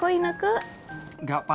bro udah water watch ya